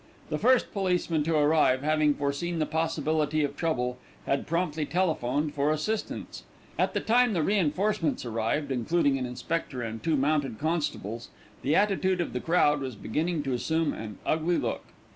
The first policeman to arrive, having foreseen the possibility of trouble, had promptly telephoned for assistance. At the time the reinforcements arrived, including an inspector and two mounted constables, the attitude of the crowd was beginning to assume an ugly look.